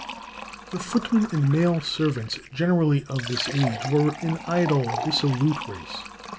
The footmen and male servants generally of this age were an idle, dissolute race.